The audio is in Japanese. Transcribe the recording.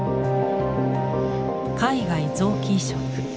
海外臓器移植